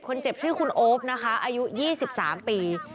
คนเจ็บชื่อคุณโอ๊ปนะคะอายุ๒๓ปี